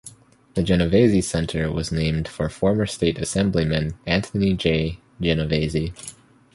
The Genovesi Center was named for former state Assemblyman Anthony J. Genovesi.